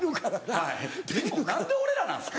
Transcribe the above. はいでも何で俺らなんですか？